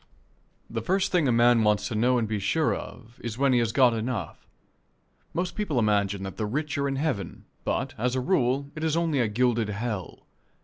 The first thing a man wants to know and be sure of is when he has got enough. Most people imagine that the rich are in heaven, but, as a rule, it is only a gilded hell.